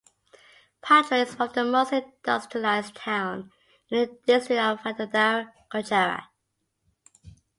Padra is one of the most industrialise town in the district of Vadodara, Gujarat.